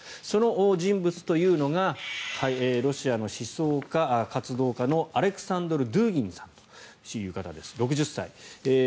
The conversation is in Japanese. その人物というのがロシアの思想家、活動家のアレクサンドル・ドゥーギンさんという方です。